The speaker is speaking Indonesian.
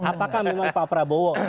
apakah memang pak prabowo